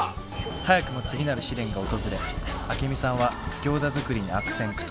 早くも次なる試練が訪れアケミさんはギョーザ作りに悪戦苦闘。